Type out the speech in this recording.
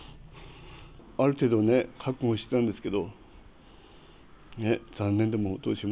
ある程度ね、覚悟してたんですけ